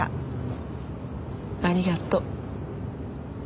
ありがとう。